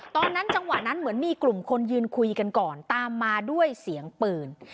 จังหวะนั้นเหมือนมีกลุ่มคนยืนคุยกันก่อนตามมาด้วยเสียงปืน